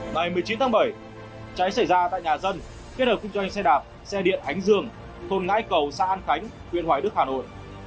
ngày một mươi chín tháng bảy cháy xảy ra tại nhà dân kết hợp cùng cho anh xe đạp xe điện ánh dương thôn ngãi cầu sa an khánh huyện hoài đức hà nội